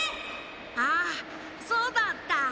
ああそうだった！